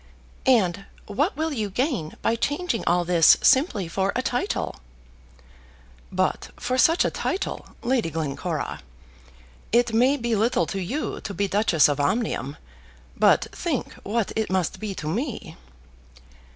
"And what will you gain by changing all this simply for a title?" "But for such a title, Lady Glencora! It may be little to you to be Duchess of Omnium, but think what it must be to me!"